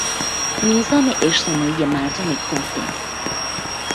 نظام اجتماعی مردم کهنه